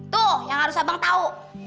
tuh yang harus abang tahu